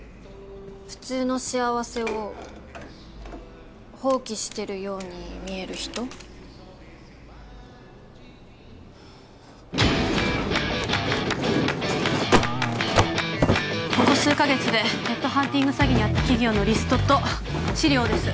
普通の幸せを放棄してるように見える人ここ数カ月でヘッドハンティング詐欺に遭った企業のリストと資料です